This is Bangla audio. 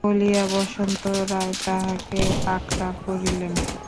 বলিয়া বসন্ত রায় তাহাকে পাকড়া করিলেন।